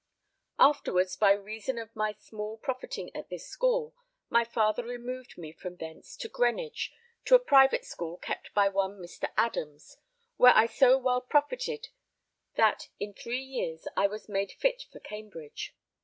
Afterwards, by reason of my small profiting at this school, my father removed me from thence to Greenwich to a private school kept by one Mr. Adams, where I so well profited that in three years I was made fit for Cambridge.